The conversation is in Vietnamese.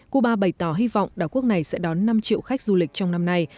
cuba bày tỏ hy vọng đảo quốc này sẽ đón năm triệu khách du lịch trong năm nay